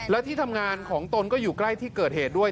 และที่ทำงานของตนก็อยู่ใกล้ที่เกิดเหตุด้วย